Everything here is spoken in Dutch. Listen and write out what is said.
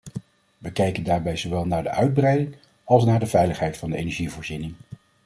We kijken daarbij zowel naar de uitbreiding als naar de veiligheid van de energievoorziening.